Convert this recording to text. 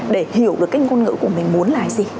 để hiểu được cái ngôn ngữ của mình muốn là gì